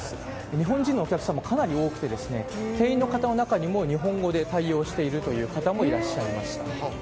日本人のお客さんもかなり多くて店員の方の中にも日本語で対応している方もいらっしゃいました。